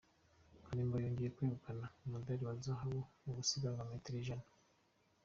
Kanimba yongeye kwegukana umudari wa zahabu mu gusiganwa metero Ijana